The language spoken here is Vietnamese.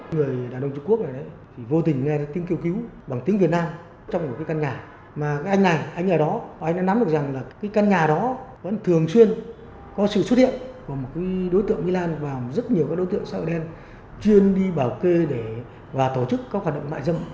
người đàn ông trung quốc này thì vô tình nghe tiếng kêu cứu bằng tiếng việt nam trong một cái căn nhà mà cái anh này anh ở đó anh đã nắm được rằng là cái căn nhà đó vẫn thường xuyên có sự xuất hiện của một đối tượng mỹ lan và rất nhiều các đối tượng xã hội đen chuyên đi bảo kê để và tổ chức các hoạt động mại dâm